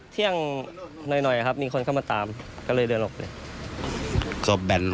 เที่ยงหน่อยครับมีคนเข้ามาตามก็เลยเดินออกเลย